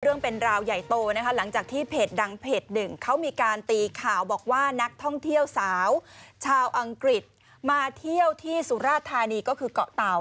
เรื่องราวเป็นราวใหญ่โตนะคะหลังจากที่เพจดังเพจหนึ่งเขามีการตีข่าวบอกว่านักท่องเที่ยวสาวชาวอังกฤษมาเที่ยวที่สุราธานีก็คือเกาะเต่า